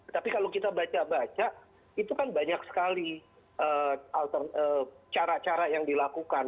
tapi kalau kita baca baca itu kan banyak sekali cara cara yang dilakukan